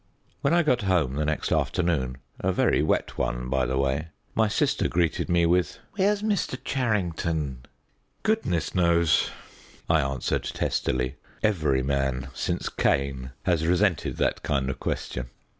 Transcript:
When I got home the next afternoon, a very wet one, by the way, my sister greeted me with "Where's Mr. Charrington?" "Goodness knows," I answered testily. Every man, since Cain, has resented that kind of question.